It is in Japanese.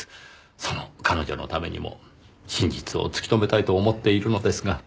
その彼女のためにも真実を突き止めたいと思っているのですが。